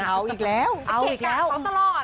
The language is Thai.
เอาอีกแล้วเอาเกะกะเขาตลอด